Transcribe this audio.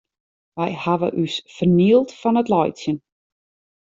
Wy hawwe ús fernield fan it laitsjen.